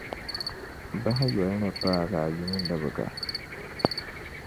Bahiyoli ni paagi a yim libigi a.